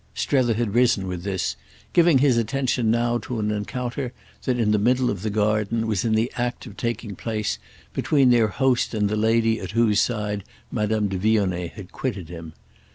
Strether had risen with this, giving his attention now to an encounter that, in the middle of the garden, was in the act of taking place between their host and the lady at whose side Madame de Vionnet had quitted him.